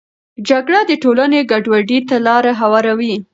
جګړه د ټولنې ګډوډي ته لاره هواروي.